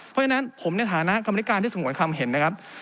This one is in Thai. เพราะฉะนั้นผมในฐานะกรรมนิการที่สงวนคำเห็นนะครับ